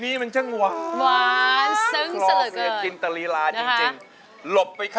หนักไหมกว่าเดิมอีกก็ยังมีตัวช่วยอีก